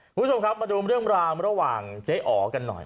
คุณผู้ชมครับมาดูเรื่องราวระหว่างเจ๊อ๋อกันหน่อย